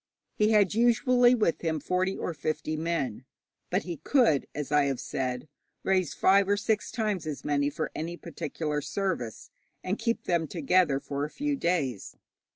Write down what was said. He had usually with him forty or fifty men, but he could, as I have said, raise five or six times as many for any particular service, and keep them together for a few days.